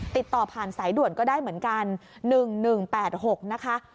ติดต่อผ่านสายด่วนก็ได้เหมือนกัน๑๑๘๖นะคะ